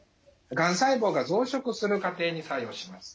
がん細胞が増殖する過程に作用します。